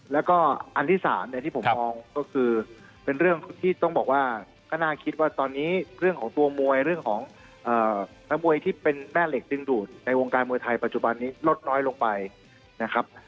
แล้วก็อันที่สามเนี่ยที่ผมมองก็คือเป็นเรื่องที่ต้องบอกว่าก็น่าคิดว่าตอนนี้เรื่องของตัวมวยเรื่องของนักมวยที่เป็นแม่เหล็กดึงดูดในวงการมวยไทยปัจจุบันนี้ลดน้อยลงไปนะครับ